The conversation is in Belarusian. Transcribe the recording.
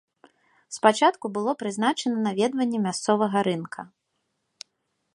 Спачатку было прызначана наведванне мясцовага рынка.